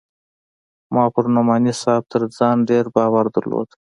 ما پر نعماني صاحب تر ځان ډېر باور درلود.